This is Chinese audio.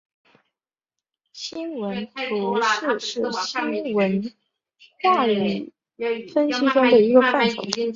新闻图式是新闻话语分析中的一个范畴。